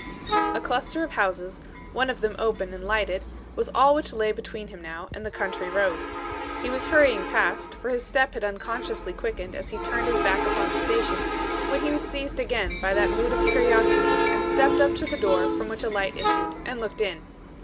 A cluster of houses, one of them open and lighted, was all which lay between him now and the country road. He was hurrying past, for his step had unconsciously quickened as he turned his back upon the station, when he was seized again by that mood of curiosity and stepped up to the door from which a light issued and looked in.